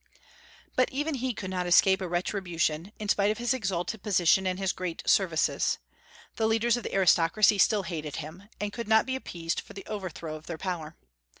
But even he could not escape a retribution, in spite of his exalted position and his great services. The leaders of the aristocracy still hated him, and could not be appeased for the overthrow of their power.